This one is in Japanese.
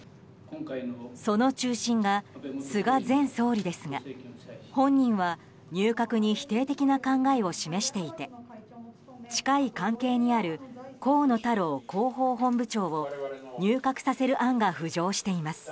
その中心が菅前総理ですが本人は入閣に否定的な考えを示していて近い関係にある河野太郎広報本部長を入閣させる案が浮上しています。